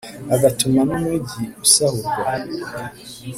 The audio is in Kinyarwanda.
agatuma n’umugi usahurwa.